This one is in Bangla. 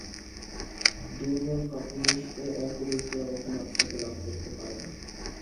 দুর্বল, কাপুরুষ ও অজ্ঞ ব্যক্তিরা কখনও আত্মাকে লাভ করতে পারে না।